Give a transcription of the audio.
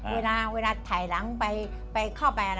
เวลาถ่ายหลังไปเข้าไปอะไร